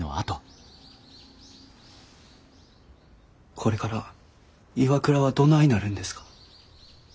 これからＩＷＡＫＵＲＡはどないなるんですか。